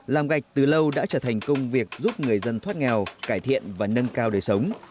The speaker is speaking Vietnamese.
làm gạch từ lâu đã trở thành công việc giúp người dân thoát nghèo cải thiện và nâng cao đời sống